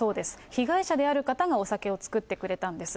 被害者である方がお酒を作ってくれたんです。